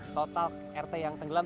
total rt yang tenggelam